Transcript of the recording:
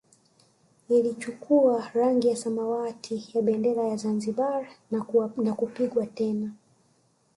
Ilichukua rangi ya samawati ya bendera ya Zanzibar na kupigwa tena